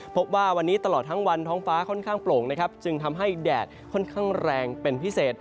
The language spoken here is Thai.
พบว่าวันนี้ตลอดทั้งวันท้องฟ้าค่อนข้างโปร่งนะครับจึงทำให้แดดค่อนข้างแรงเป็นพิเศษ